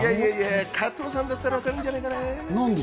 加藤さんだったらわかるんじゃないかなぁ。